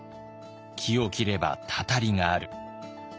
「木を切ればたたりがある」。